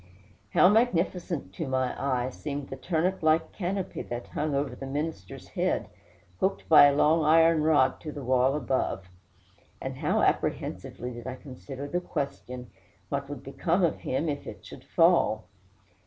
How magnificent, to my eye, seemed the turnip like canopy that hung over the minister's head, hooked by a long iron rod to the wall above! and how apprehensively did I consider the question, what would become of him if it should fall!